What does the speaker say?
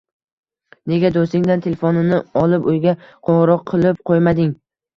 “Nega do‘stingdan telefonini olib uyga qo‘ng‘iroq qilib qo‘ymading”